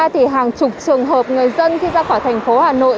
thì hàng chục trường hợp người dân khi ra khỏi thành phố hà nội